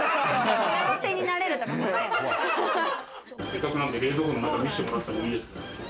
せっかくなんで冷蔵庫の中見せてもらってもいいですか？